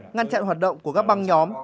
ngăn chặn hoạt động của các băng nhóm